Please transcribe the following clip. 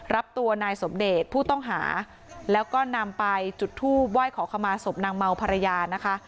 รับตัวนายสมเดชผู้ต้องหาแล้วก็นำไปจุดทูบไหว้ขอขมาศพนางเมาภรรยานะคะ